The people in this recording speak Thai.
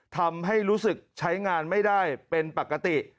ทำให้รู้สึกใช้งานไม่ได้เป็นปกติ